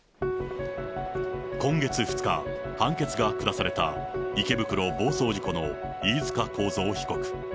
今月２日、判決が下された池袋暴走事故の飯塚幸三被告。